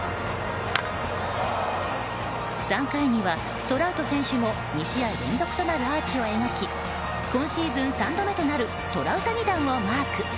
３回にはトラウト選手も２試合連続となるアーチを描き今シーズン３度目となるトラウタニ弾をマーク。